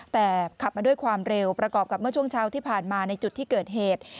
แต่ขับมาด้วยความเร็วประกอบกับเมื่อช่วงเช้าที่ผ่านมาในจุดที่เกิดเหตุ